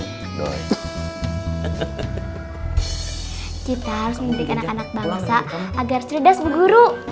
kita harus mendidik anak anak bangsa agar cerita sebagai guru